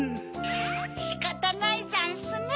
しかたないざんすね。